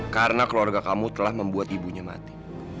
karena keluarga kamu telah membuat ibunya mati